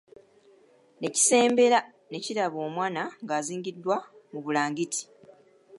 Ne kisembera ne kiraba omwana ng'azingidwa mu bulangiti.